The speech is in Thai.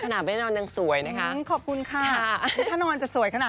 นี่ฉันว่าพี่แจ๊คควรพักผ่อนนะคะ